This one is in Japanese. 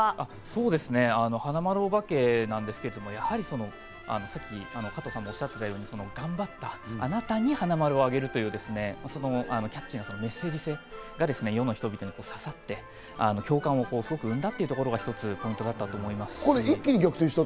そうですね、はなまるおばけなんですけど、加藤さんもおっしゃっていたように、頑張ったあなたにハナマルをあげるという、キャッチーなメッセージ性が世の人々に刺さって、共感を得たということが逆転の理由だと思います。